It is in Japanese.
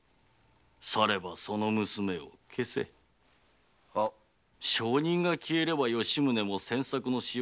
さればその娘を消せ証人が消えれば吉宗も詮索のしようがあるまい。